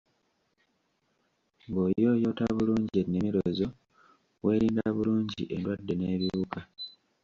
Ng’oyooyoota bulungi ennimiro zo, weerinda bulungi endwadde n’ebiwuka.